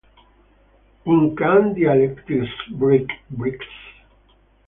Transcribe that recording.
In Can dialectics break bricks?